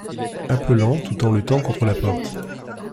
Appelant tout en luttant contre la porte.